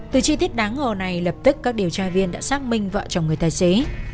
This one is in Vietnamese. từ chi tiết đáng ngờ này lập tức các điều tra viên đã xác minh vợ chồng người tài xế